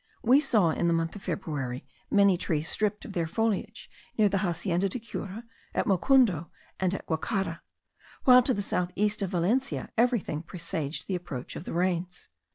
We saw, in the month of February, many trees stripped of their foliage, near the Hacienda de Cura, at Mocundo, and at Guacara; while to the south east of Valencia everything presaged the approach of the rains.